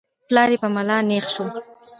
پلار يې په ملا نېغ شو.